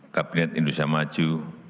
kabinet indonesia maju